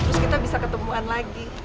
terus kita bisa ketemuan lagi